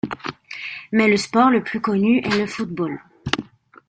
Mais le sport le plus connu est le football.